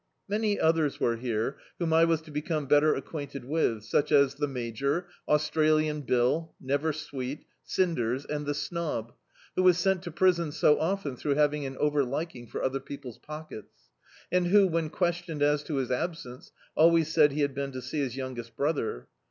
Many others were here, whom I was to become better acquainted with — such as the "Major," "Aus tralian" Bill, "Never Sweet," "Cinders," and "The Snob," who was sent to priswi so often through hav ing an over liking for other people's pockets; and who, when questioned as to his absence, always said he had been to see his youngest brother.